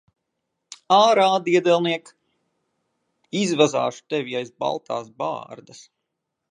Ārā, diedelniek! Izvazāšu tevi aiz baltās bārdas.